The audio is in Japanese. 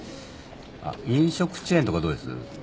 あっ飲食チェーンとかどうです？